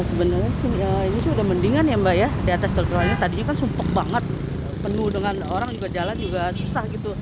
sebenarnya ini sudah mendingan ya mbak ya di atas trotoarnya tadinya kan sumpuk banget penuh dengan orang jalan juga susah gitu